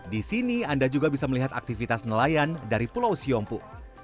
di sini anda juga bisa melihat aktivitas nelayan dari pulau siompu